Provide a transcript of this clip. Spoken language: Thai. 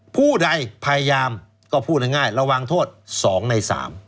ผู้ใดพยายามก็พูดง่ายระวังโทษ๒ใน๓